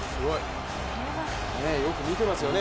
よく見てますよね。